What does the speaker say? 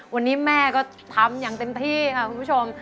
วันนี้แม่ก็ทำอย่างเต็มที่ค่ะคุณผู้ชม